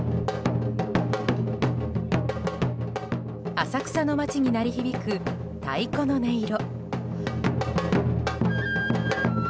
浅草の街に鳴り響く太鼓の音色。